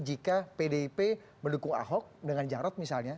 jika pdip mendukung ahok dengan jarot misalnya